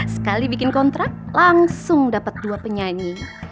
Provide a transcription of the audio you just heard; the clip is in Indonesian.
sekali bikin kontrak langsung dapat dua penyanyi